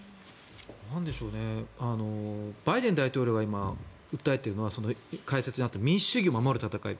バイデン大統領が今、訴えているのは解説にもあった民主主義を守る戦い